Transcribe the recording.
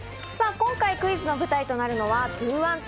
今回、クイズの舞台となるのは２１２